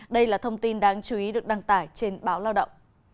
đây là thông tin đáng chú ý được đăng tải trên báo lao động